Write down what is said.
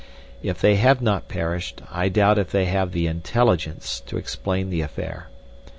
If they have not perished, I doubt if they have the intelligence to explain the affair.